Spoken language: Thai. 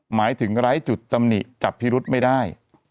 หมายถึงไร้จุดตำหนิจับพิรุธไม่ได้